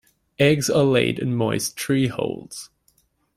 Eggs are laid in moist tree holes.